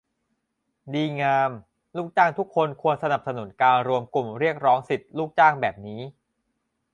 ดีงาม ลูกจ้างทุกคนควรสนับสนุนการรวมกลุ่มเรียกร้องสิทธิ์ลูกจ้างแบบนี้